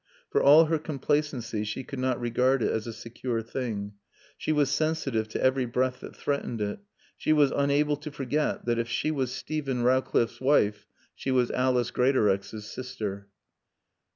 For all her complacency, she could not regard it as a secure thing. She was sensitive to every breath that threatened it; she was unable to forget that, if she was Steven Rowcliffe's wife, she was Alice Greatorex's sister.